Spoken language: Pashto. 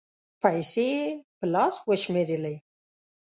پېسې یې په لاس و شمېرلې